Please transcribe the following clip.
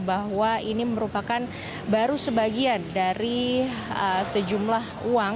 bahwa ini merupakan baru sebagian dari sejumlah uang